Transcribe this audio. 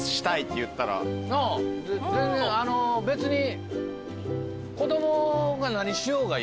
全然別に。